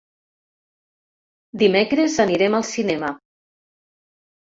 Dimecres anirem al cinema.